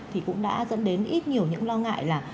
thì cũng đã dẫn đến ít nhiều những lo ngại là